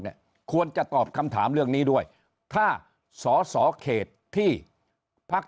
เนี่ยควรจะตอบคำถามเรื่องนี้ด้วยถ้าสอสอเขตที่พัก